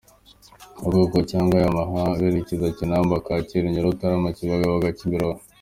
Nyabugogo cyangwa Yamaha bakerekeza Kinamba- Kacyiru-Nyarutarama- Kibagabaga-Kimironko.